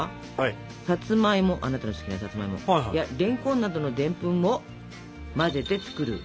さつまいもあなたの好きなさつまいもやれんこんなどのでんぷんを混ぜて作るものがわらび餅粉。